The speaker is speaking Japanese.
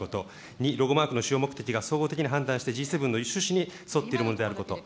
２、ロゴマークの使用目的が総合的に判断して、Ｇ７の趣旨に沿っているものであること。